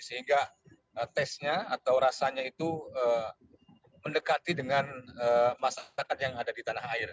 sehingga tesnya atau rasanya itu mendekati dengan masyarakat yang ada di tanah air